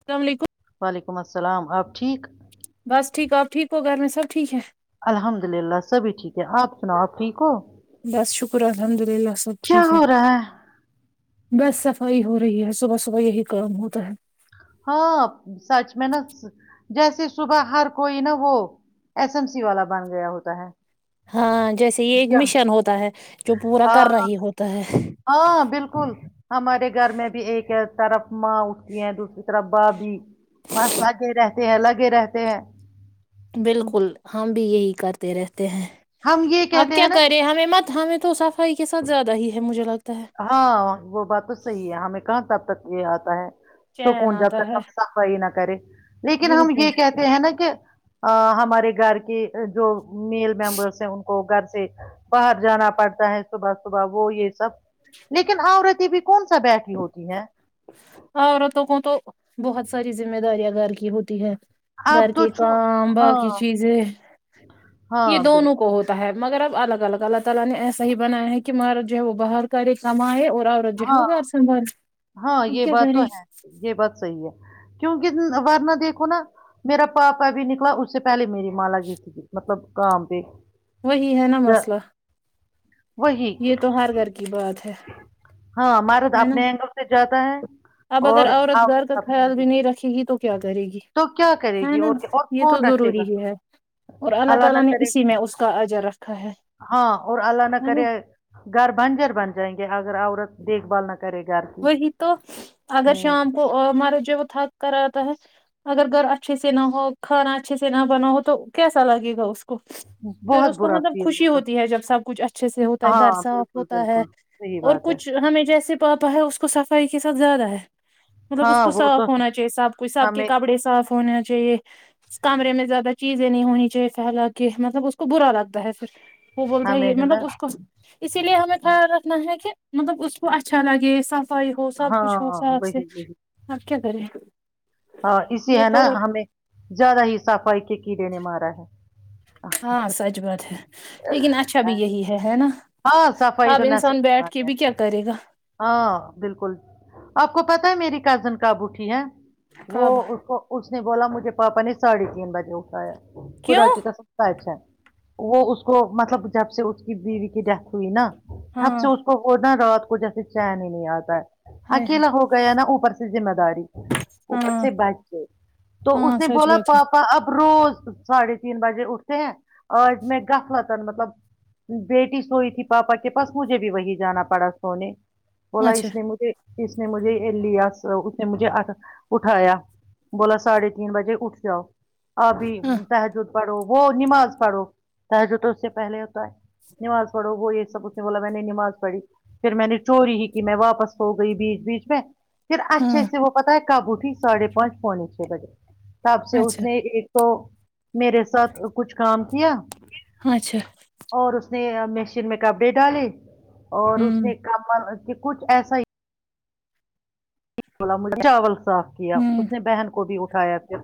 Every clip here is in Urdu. السلام علیکم علیکم السلام اپ ٹھیک بس ٹھیک آپ ٹھیک ہو گھر میں سب ٹھیک ہے الحمد للہ سبھی ٹھیک ہے آپ سناؤ آپ ٹھیک ہو بس شکر الحمد للہ سب کیا ٹھیک ہے ہو رہا بس صفائی ہو رہی ہے صبح صبح یہی کام ہوتا ہے ہاں سچ میں نا جیسے صبح ہر کوئی نا وہ ایس ایم سی والا بان گیا ہوتا ہے ہاں ج جیسے یہ ایک یا مشن ہوتا ہے جو پورا ہاں کر رہی ہوتا ہے ہاں بالکل ہمارے گھر میں بھی ایک طرف ماں اٹھتی ہیں دوسری طرف بابھی بس لگے رہتے ہیں الگے رہتے ہیں بالکل ہم بھی یہی کرتے رہتے ہیں ہم یہ اب کہتے کیا ہیں نا کرے ہمیں مت ہمیں تو صفائی کے ساتھ زیادہ ہی ہے مجھے لگتا ہے ہاں وہ بات تو صحی ہے ہمیں کہاں تب تک یہ آتا ہے چین سکون جب آتا تک ہے صفائی نہ کرے لیکن ہم بالکل یہ کہتے ہیں نا کہ ہمارے گڑ کہ جو میل ممبرس ہیں ان کو گھر سے باہر جانا پڑتا ہے صبح صبح وہ یہ سب لیکن آورت بھی [unintelligible] کون سا بیٹکھی ہوتی ہے عورتوں کو تو بہت ساری ذمہ داریاں گار کی ہوتی ہے گھر آپ تو کے چھو کام باقی ہاں چیزیں یہ ہاں دونوں بالکل کو ہوتا ہے مگر اب الگ الگ اللہ تعالی نے ایسا ہی بنایا ہے کہ مہرا جو ہے وہ باہر کرے کمائے اور اور ج ہاں ہوگار [unintelligible] ہاں یہ بات تو ہے یہ بات صحیح ہے ورنہ دھو نا میرا پاپ ابھی نکلا اس سے پہلے میری ماگی مطلب [unintelligible] کام پہ وہی ہے نا مسئلہ وہی یہ تو ہر گھر کی بات ہے ہاں ہمارے ہے نا اپنے اینگل سے ج [unintelligible] [unintelligible] اب اگر عورت گار کا خیال بھی نہیں رکھے گی تو کیا کرے گی تو کیا کرے ہے گی نا اور کیا؟ اور یہ تو کون رکھے گا ضروری ہی ہے اور اللہ نہ تعالی نے کرے اسی میں اس کا عجر رکھا ہے ہاں اور اللہ نہ ہے نا کرے گھر بنجر بن جائیں گے [unintelligible] اگر عورت دیکھ بھ نہ کرے گھر کی وہی تو اگر ہوں شام کو مارا ج وہ تھک کر آتا ہے اگر گھر اچھے سے نہ ہو کھانا اچھے سے نہ بنا ہو تو کیسا لگے گا اس کو پھر بہت اس کو برا مطلب فیل خوشی ہوگا ہوتی ہے جب سب کچھ اچھے سے ہوتا ہے در ہاں صاف بالکل ہوتا ہے بالکل صحیح اور بات ہے کچھ ہمیں جیسے پاپا تو ہے اس کو صفائی کے ساتھ زیادہ ہے مطلب اس ہاں کو وہ تو صاف ہونا چاہیے سب کو سب کے ہمیں کپڑے صاف ہونا چاہیے کمرے میں زیادہ چیزیں نہیں ہونی چاہیے پھیلا کے مطلب اس کو برا لگتا ہے پھر وہ بولتا ہے ہمیں ہی نا مطلب اس کو اسی لیے ہمیں تھا تنا ہے کہ مطلب اس کو اچھا لگے یہ سب فائی ہو سب ہاں کچھ ہو ساخ سے وہی وہی کیا کرے ہاں اسے ہے نا ہمیں زیادہ ہی صفائی کے کیڑے نے مارا ہے ہاں سچ بات ہے لیکن اچھا بھی یہی ہے ہے نا ہاں صفائی اب انسان کرنام بیٹھ کے ہے بھی کیا کرے گا ہاں بالکل آپ کو پتا ہے میری کزن کااب اٹھی ہے وہ کب اس کو اس نے بولا مجھے پاپا نےاڑھے تین بجے اٹھایا کیوں خداٹی کس کر چ ہے وہ اس کو مطلب جب سے اس کی بیوی کتا ہوئی نا تھب ہاں سے اس کو انا ر کچھ ایسے چین ہی نہیں آتا ہے ہائے ہائے اکیلا ہو گیا نا اوپر سے ذمہ داری اوپر ہاں سے بیٹھ گئے تو اس ہاں نے سچ بولا بات ہے پاپا اب روز ساڑھے تین بجے اٹھتے ہیں آج میں گفوطن مطلب ہوں بیٹی سوئی تھی پاپا کے پاس مجھے بھی وہی جانا پڑا سونے بولا اچھا اس نے مجھے اس نے مجھے لیا اس نے مجھے اٹھایا بولا ساڑھے تین بجے اٹھ جاؤ اب ہاں سح جو پڑھو وہ نماز پڑھو ت جو تو اس سے پہلے ہوتا ہے نوال فوڑو ہوئی سب اس نے بولا میں نے نماز پڑھی پھر میں نے چوری ہی کی میں واپس ہوو گئی بیچ بیچ میں پھر اچھے ہاں سے وہ پتا ہے کاابو ہی ساڑے پانچ پنے چھ بجے ب سے اس اچھا نے ایک دو میرے ساتھ کچھ کام کیا اچھا اور اس اس نے مشین میں کپڑے ڈالے اور اس ہوں نے کام اس کے کچھ ایسا ہی ما چاول صاف کیا ہوں اس نے بہن کو بھی اس کھایا پھر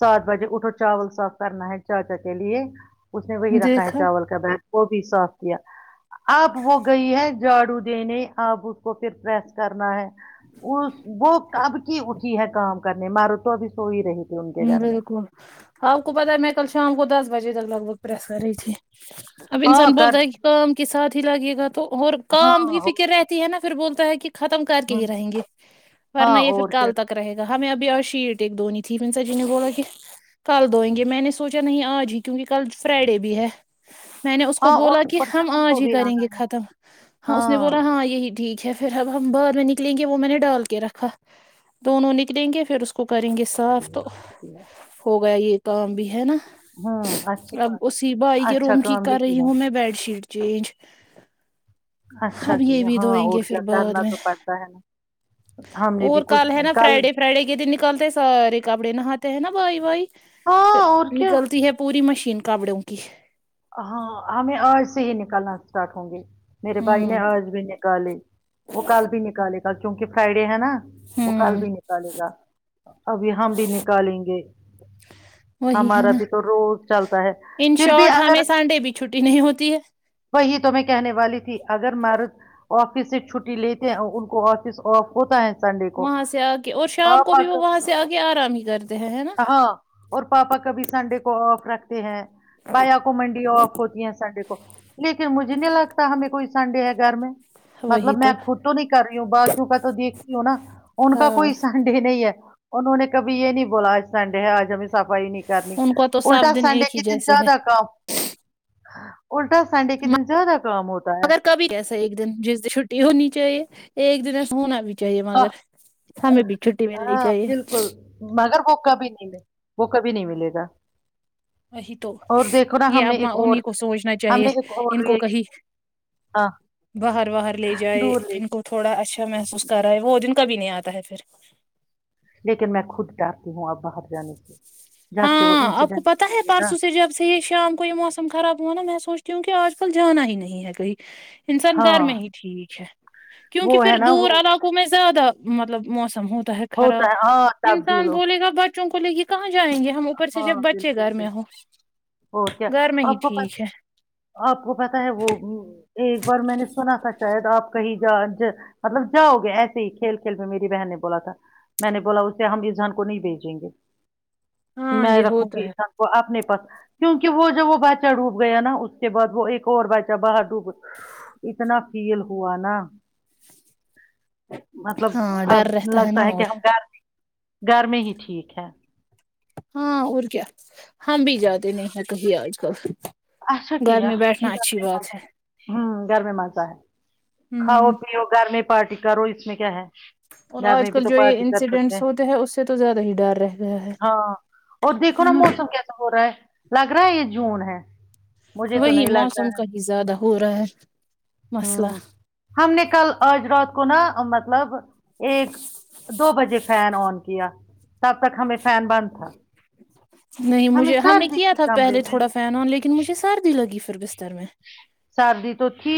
سات بجے اٹھو چاول صاف کرنا ہے چاچا کے لیے اس نے وہی رکھا ہے دیکھا چاول کا دان وہ بھی صاف کیا اب وہ گئی ہے جھاڑو دینے اب اس کو پھر پریس کرنا ہے اس کب کی اٹھی ہے کام کرنے مارو تو ابھی سو ہی رہی ت ہ بالکل آپ کو پتہ ہے میں کل شام کو دس بجے ت لگ بگ س کر رہی تھی اب ہاں انسان کر بولتا ہے کہ کام کے ساتھ ا لگے گا تو اور ہاں کام کی فکر رہتی ہے نا پھر بول تاک [unintelligible] ختم کر کے ہی ہوں رہیں گے ہاں ورنہ یہ پھر اور کیا کل تک رہے گا ہمیں ابھی اور شیٹ ایک دوننی ت [unintelligible] ن سا جی نے بولا کہ کل دئیں گے میں نے سوچا نہیں آج ہی کیونکہ کل فرائیڈے بھی ہے میں نے اس کو ہاں اور بولا کہ اوپر سے ہم ان کو آج ہی بھی کریں آنا گے ہے ختم ہاں اس نے بولا ہاں یہی ٹھیک چھ پھر اب ہم باہر میں نکلیں گے وہ میں نے ڈال کے رکھا دونوں نکلیں گے پھر اس کو [unintelligible] کریں گے صاف تو کیا، ہو گیا یہ [unintelligible] کام بھی ہے نا ہوں اچھی [inaudible] اب بات اسی بائی کے اچھا روم کی کام یہ کر رہی کیا ہوں میں بیڈ شیٹ چینج [inaudible] اچھا اب یہ کیا بھی ہاں دھوئیں گے اور پھر کیا بعد کرنا میں تو پڑتا ہے نا ہم نے اور بھی کچھ کل ہے نا فرائیڈے فرائیڈے کے دن نکالتے سارے ناات ہے نا بائی وائی [inaudible] پھر ہاں اور کیا نکلتی ہے پوری مشین کابڑوں کی [inaudible] ہاں ہمیں آج سے ہی نکالنا اسٹارٹ ہوں گے [unintelligible] میرے بھائی ہوں نے آج بھی نکالی وہ کل بھی نکالے کیونکہ فرائیڈے ہے نا [inaudible] وہ کل ہوں بھی نکالے گا ابھی ہم بھی نکالیں گے وہی ہے ہمارا نا بھی تو روز چلتا ہے ان پھر بھی شارٹ [inaudible] ہمیں سنڈے بھی چھٹی نہیں ہوتی ہے [inaudible] وہی تو میں کہنے والی تھی اگر مارض آفس سے چھٹی لیتے ہیں اور ان کو آفس آف ہوتا ہے [inaudible] وہاں سے آ کے اور شام کو پاپا بھی وہ کبھی وہاں سے آ کے آرام ہی کرتے ہیں ہے نا ہاں اور پاپا کبھی سنڈے کو آف رکھتی ہیں [inaudible] بیا کو منڈی آف ہوتی ہیں سنڈے کو مجھے نہیں لگتا ہمیں کوئی سنڈے ہے گھر میں [inaudible] مطلب میں خود تو نہیں کر رہی ہوں باقیوں کا تو دیکھ رہی ہوں نا ان کا ہاں کوئی سنڈے نہیں ہے انہوں نے کبھی یہ نہیں بولا آج سنڈے ہے آج ہم صفائی نہیں کرنی ان کو تو اللٹا سب دن سنڈے ایک ہی ک دن جیسے ہے زیادہ کام [inaudible] اں اور [inaudible] سنڈے کی دن [inaudible] ہے مگر کبھی ایسا ایک دن جس دن چھٹی ہونی چاہیے ایک دن ایسا ہونا بھی چاہے کیاے مگر [inaudible] چھٹی ملنی ہاں چاہیے بالکل مگر کوکا بھی نہیں میں وہ کبھی نہیں ملے گا وہی تو اور دیکھو نا یہ ہم نے ابماں ایک اور انیں کو سوچنا ہم چاہیے نے ایک ان اور کو یہ کہیں ہاں باہر باہر لے جائے دور لے ان کو تھوڑا اچھا محسوس کر رہا ہے وہ دن کبھی نہیں آتا ہے پھر لیکن میں خود ڈرتی ہوں اب باہر جانے سے جب سے وہ ہاں آپ کو پتا ہے انسیڈنٹ نا، پرسوں سے جب سے یہ شام کو یہ موسم خراب ہوا نا میں سوچتی ہوں کہ آج کل جانا ہی نہیں ہے کہئی انسان گھر ہاں میں ہی ٹھیک ہے کیونکہ وہ ہے پھر نا وہ دور علاقوں میں زیادہ مطلب موسم ہوتا ہے خراب ہے ہاں تبدیل انسان ہو بولے گا بچ کو لیے یہ کہاں جائیں گے ہم اوپر سے ہاں جب بچے بالکل گھر میں بالکل ہوں اور کیا گھر میں ہی آپ کو پ ٹھیک ہے آپ کو پتہ ہے وہ ایک بار میں نے سنا تھا شاید آپ کہیں جا مطلب جاؤ گے ایسے ہی کھیل کھیل میں میری بہن نے بولا تھا میں نے بولا اسے ہم اس جان کو نہیں بھیجیں گے ہاں میں یہ رکھوں ہوتا گی ہے سب کو اپنے کیونکہ وہ جب وہ بچہ ڈوب گیا نا اس کے بعد وہ ایک اور بچہ باہر ڈوب اتنا فیل ہوا نا مطلب ہاں اب ڈر رہتا نا لگتا ہے کہ اور ہم گھر گھر میں ہی ٹھیک ہے ہاں اور کیا ہم بھی جاتے نہیں ہیں کہیں آج کل آسا گھر کیایا میں بیٹھنا اچھی جنے بات مزہ ہے ہ گھر میں مزہ ہے کھاؤ ہوں پیو گھر میں پارٹی کاو اس میں کیا ہے اور گھر آج میں بھی کل تو جو یہ پارٹی کر سکتے انسیڈینٹس ہوتے ہیں اس سے تو زیادہ ہی ڈر رہ گیا ہاں اور دیکھو ہے نا موسم کیسا ہو رہا ہے لگ رہا ہے یہ جون ہے مجھے تو وہی نہیں لگ موسم کہیں زیادہ ہو رہا ہے ہ مسئلہ ہم نے کل آج رات کو نہ مطلب ایک دو بجے فین آن کیا تب تک ہمیشہ نہیں ہمیں مجھے ہم نے سردی کیا تھی تھا کمرے پہلے میں تھوڑا فین آن لیکن مجھے سردی لگی پھر بر چتر میں [inaudible] سردی تو تھی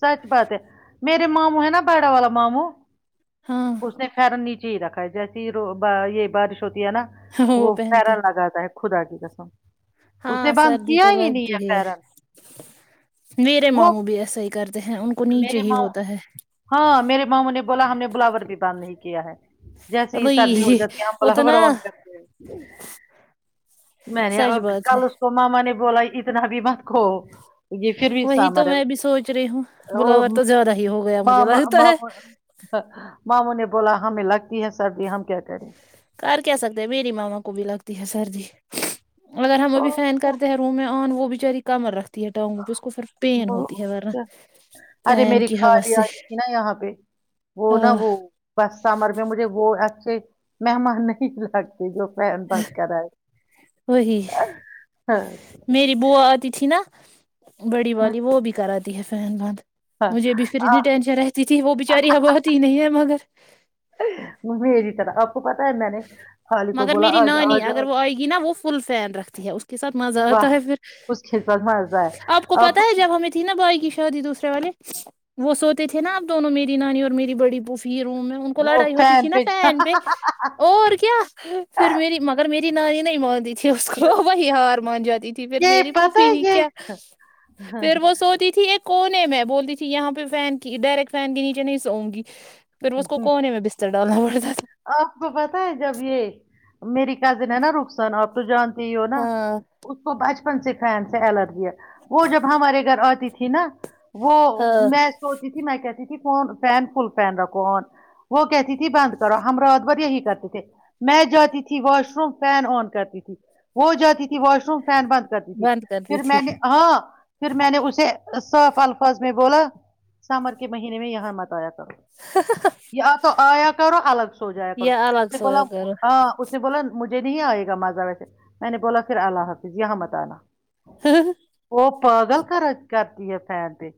سچ بات ہے میرے ماموں ہے نا باڑا والا ماموں ہاں اس نے خیر [inaudible] وہ پہنتے [inaudible] [inaudible] ہاں سردی تو لگتی ہی ہے فیرن میرے وہ ماموں بھی ایسا ہی کرتے ہیں ان کو نیچے میرے ہی ماں ہوتا ہے فلاور بھی بند نہیں کیا ہے جیسے یہ سردی ہو وہی جاتی ہے اتنا میں نے سچ بات ہے کل اس کو ماما نے بولا ہے اتنا بھی مت کھو یہ پھر بھی وہی تو سامر ہے میں بھی سوچ رہی ہوں وہ بلاوور تو زیادہ ہی ہو گیا مجھے ماما لگتا ہے ماموں ماموں نے بولا ہمیں لگتی ہے سردی ہم کیا کریں ک کہ سکتے ہیں میری ماما کو بھی لگتی ہے سردی اور ہم ابھی اوہ، فین کرتے ہیں روم میں ان وہ بچاری کمر رت ارے فین میری کی ہوا خالہ سے آ رہی تھی نا یہاں پہ وہ نا ہاں وہ بس سمر مجھے وہ ممان نہیں لگ جو فین بند کرا ہے وہی ہاں، میری بوو آتی تھی نا بڑی والی وہ بھی کراتی تی ہے فین بند [inaudible] مجھے بھی آ، فیراتنی ٹینزن رہتی تھی وہ بیچاری اتی نہیں ہے اب میری طرح آپ کو پتا ہے میں نے خالی کو مگر بولا میری آ نہ ہی جاؤ آ نہیں اگر جاؤ وہ ائے گی نا وہ فل فین رکھتی ہے اس کے ساتھ ماں ذرا تو واہ ہے اس کے ساتھ مزہ پھر ہے اپ کو پتہ اب ہے جب ہمیں تین چری ت والے وہ سوچ تھے نا آ دونوں میری نانی اور میری بڑی پوف روم میں ان کو لڑائی ہوتی تھی نا فین پہ اور کیا پھر میری مگر میری ناری نہیں اس کو وہی ہار مان جاتی تھی پھر یہ میری پتہ پھفھی ہے ہی یہ کیا پھر وہ سوتی تھی ایک کونے میں بولتی تھی یہاں پرڈائیریکٹ فین کے نیچے نہیں سوؤں گی پھر اس کونے میں بستر ڈالنا پڑتا تھا آپ کو پتہ ہے جب یہ میری کس دن ہیں نا رک سان آ تو جان ہو نا ہاں اس کو بچ پن سے فین سے الر بھی وہ جب ہمارے گھر آتی تھی نا تو وہ ہاں میں سوچتی تھی میں کہتی تھی فون فین فل فین رکھو آن وہ کہتی تھی بند کرو ہم رات بھر یہی کرتے تھے میں جاتی تھی واش روم فین آن کرتی تھی وہ جاتی تھی واش روم فین بند کر دی تھی بند کرتی پھر تھی میں نے ہاں پھر میں نے اسے صاف الفاظ میں بولا سمر کے مہینے میں یہاں مت آیا تھا یا تو آیا کرو الگ سو جایا کرو یہ اس الگ نے بولا سویا کرو ہاں اس نے بولا مجھے نہیں آئے گا ماضا ویسے میں نے بولا پھر اللہ حافظ یہاں مت آا وہ پگل کر کر ہے فین پ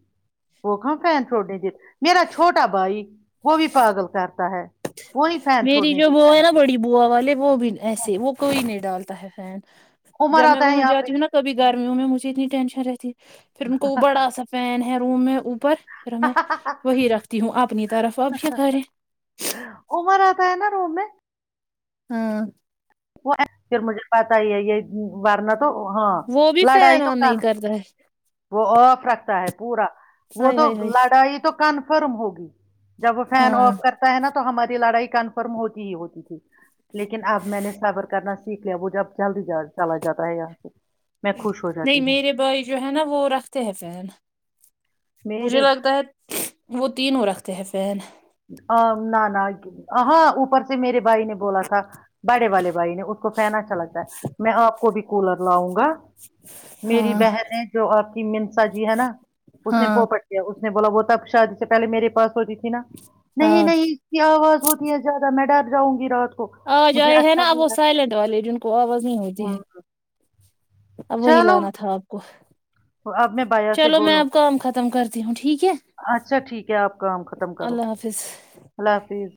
ہو کا فین تھوڑے چ میرا چھوٹا بھائی وہ بھی پاگل کرتے میری جو بو ہے نا بڑی بوو والے وہ بھی ایس وہ کوئی نہیں ڈال تحفین عمر جب میں آتا ہے وہاں یہاں جاتی ہوں پہ نا کبھی گرمیوں میں مجھے اتنی ٹینشن رہتی پھر انن کو وہ با ایسا فین ہے روم میں اوپر ھر میں وہی رکھتی ہوں اپنی طرف اب سے کریں عمر آتا ہے نا روم میں ہاں وہ پھر مجھے پتا ہی ہے یہ ورنہ تو ہاں وہ بھی لڑائی فین تو آن نہیں کم کرتا ہے وہ آف رکھتا ہے پورا وہ ہائے تو ہائے ہائے لڑائی تو کنفرم ہوگی [unintelligible] جب وہ فین ہاں آف کرتا ہے نا ہماری لڑائی کنفرم ہوتی ہی ہوتی تھی لیکن اب میں نے سبر کرنا سیکھ لیا وہ جب جلد ہی چلا جاتا ہے یہاں سے میں خوش ہو جاتی نہیں ہوں میرے بھائی جو ہے نا وہ رکھتے ہیں پین مجھے میرے لگتا ہے وہ تین ہو اور رکھتے ہےفین [unintelligible] نہ نہ ہاں اوپر سے میرے بھائی نے بولا تھا باڑے والے بھائی نے اس کو فین اچھا لگتا ہے میں آپ کو بھی کولر اؤں گا میری ہاں بہن ہے جو آپ منسا جی ہے نا اس نے ہاں پو پٹیا اس نے بولا وہ تب شادی سے پلے میرے پاس ہوتی تھی نا نہیں ہاں نہیں اس کی آواز ہوتی ہے زیادہ میں ڈر جؤں گی رات کو آ ج مجھے آائے ہے اچھا نا نہیں وہ لگتا سائلینٹ والے جن کو آواز نہیں ہوتی ہے ہوں اب وہی چلو لانا تھا آپ کو ا [inaudible] اب میں بایا سے بولوں ختم کرتی ہوں ٹھیک ہے اچھا ٹھیک ہے آپ کام ختم کرو اللہ حافظ اللہ حافظ